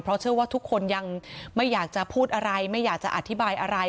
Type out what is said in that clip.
เพราะเชื่อว่าทุกคนยังไม่อยากจะพูดอะไรไม่อยากจะอธิบายอะไร